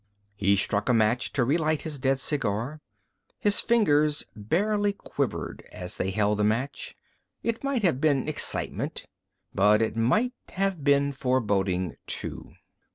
He struck a match to relight his dead cigar. His fingers barely quivered as they held the match. It might have been excitement—but it might have been foreboding, too.